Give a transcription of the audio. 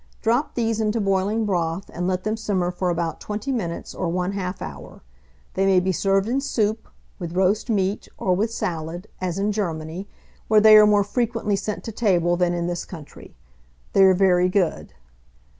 Drop these into boiling broth, and let them simmer for about 20 minutes or 1/2 hour. They may be served in soup, with roast meat, or with salad, as in Germany, where they are more frequently sent to table than in this country. They are very good.